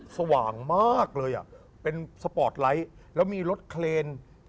สว่างมากเลยอ่ะเป็นสปอร์ตไลท์แล้วมีรถเคลน